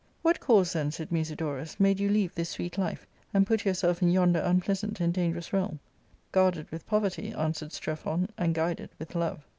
>^ "What cause, then," said Musidorus,"" made you leave this sweet life and put yfiursfjf inynndgr unpleasnpt ^nH Hoj^gArnug | realm?" "Guarded with poverty," answered Strephon, "and ^ guided with Ipve.